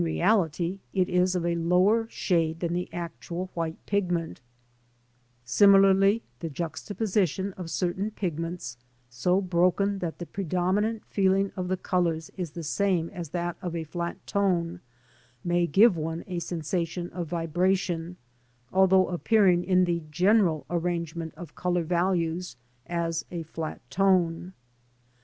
reality it is of a lower shade than the actual white pigment Similarly the juxtaposition of certain pigments, so broken that the predominant feeling of the colours is the same as that of a flat tone, may give one a sensation of vibration, although appearing in the general arrangement of colour values as a flat tone.